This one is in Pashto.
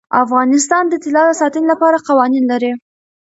افغانستان د طلا د ساتنې لپاره قوانین لري.